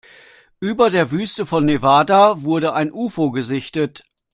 Über der Wüste von Nevada wurde ein Ufo gesichtet.